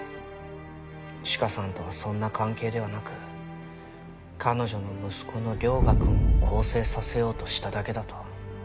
チカさんとはそんな関係ではなく彼女の息子の涼牙くんを更生させようとしただけだと。